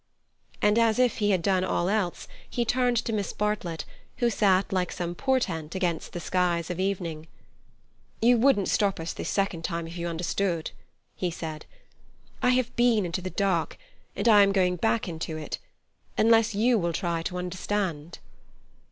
And as if he had done all else, he turned to Miss Bartlett, who sat like some portent against the skies of the evening. "You wouldn't stop us this second time if you understood," he said. "I have been into the dark, and I am going back into it, unless you will try to understand."